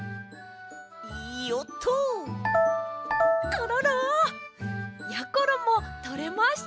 コロロ！やころもとれました！